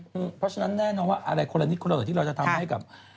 เพราะฉะนั้นแน่นอนว่าอะไรคนละนิดคนละที่เราจะทำให้กับ